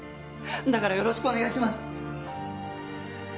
だからよろしくお願いします。